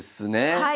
はい。